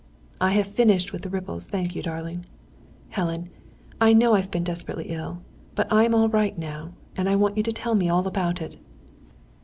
"I have finished with the ripples thank you, darling. Helen, I know I've been desperately ill. But I'm all right now, and I want you to tell me all about it."